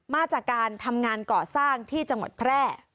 มาจากการทำงานก่อสร้างที่จังหวัดแพร่